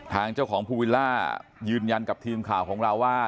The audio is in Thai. ทางเจ้าของภูวิลล่ายืนยันกับทีมข่าวของเราว่า